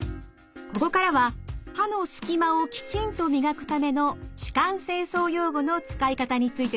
ここからは歯の隙間をきちんと磨くための歯間清掃用具の使い方についてです。